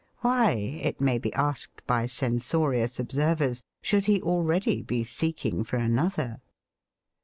Why, it may be asked by censorious observers, should he already be seeking for another?